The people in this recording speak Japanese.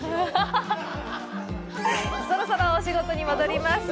そろそろお仕事に戻ります。